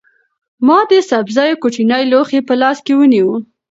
ما د سبزیو کوچنی لوښی په لاس کې ونیو.